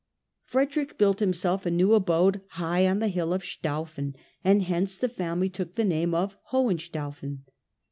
Frederick built himself a new abode high on the hill of Staufen, and hence the family took the name of Hohenstaufen.